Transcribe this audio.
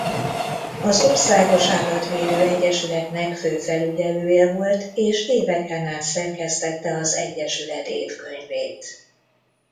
Az Országos Állatvédő Egyesületnek főfelügyelője volt és éveken át szerkesztette az egyesület évkönyvét.